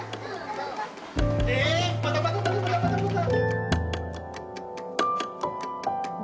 「えパタパタパタパタパタパタ」。